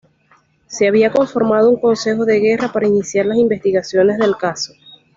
Se había conformado un Consejo de Guerra para iniciar las investigaciones del caso.